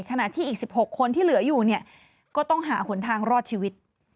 ขณะที่อีก๑๖คนที่เหลืออยู่เนี่ยก็ต้องหาหนทางรอดชีวิต